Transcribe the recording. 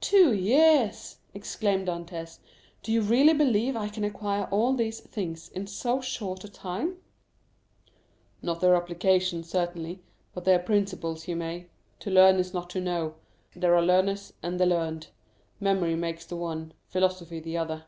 "Two years!" exclaimed Dantès; "do you really believe I can acquire all these things in so short a time?" "Not their application, certainly, but their principles you may; to learn is not to know; there are the learners and the learned. Memory makes the one, philosophy the other."